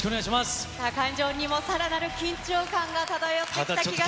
さあ会場にもさらなる緊張感が漂ってきた気がします。